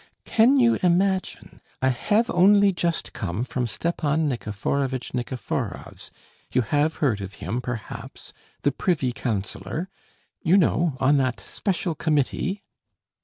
"Can you imagine, I have only just come from Stepan Nikiforovitch Nikiforov's, you have heard of him perhaps, the privy councillor. You know ... on that special committee...."